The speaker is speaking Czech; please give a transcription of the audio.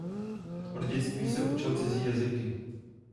Od dětství se učil cizí jazyky.